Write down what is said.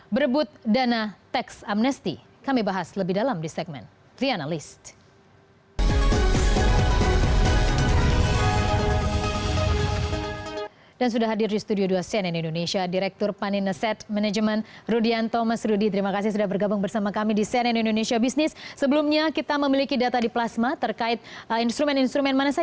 berebut dana tax amnesty kami bahas lebih dalam di segmen the analyst